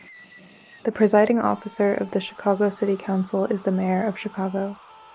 The presiding officer of the Chicago City Council is the Mayor of Chicago.